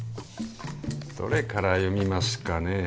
どれから読みますかねえ。